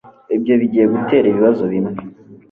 Ibyo bigiye gutera ibibazo bimwe